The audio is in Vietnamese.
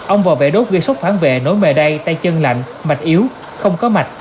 ông bảo vệ đốt gây sốc phản vệ nối mề đai tay chân lạnh mạch yếu không có mạch